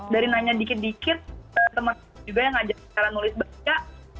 dari nanya dikit dikit temen temen juga yang ngajak cara nulis baca